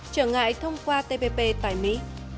trở ngại thông qua tpp tại mỹ